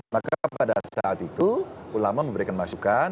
maka pada saat itu ulama memberikan masukan